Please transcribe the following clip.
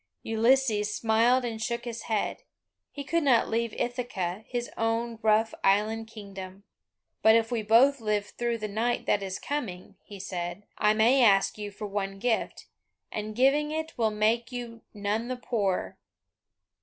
Ulysses smiled and shook his head; he could not leave Ithaca, his own rough island kingdom. "But if we both live through the night that is coming," he said, "I may ask you for one gift, and giving it will make you none the poorer."